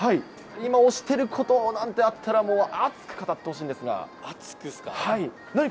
今推してることなんてあったらもう、熱く語ってほしいんです熱くですか。